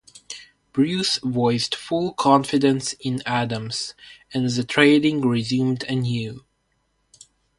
Bruce voiced full confidence in Adams, and the trading resumed anew.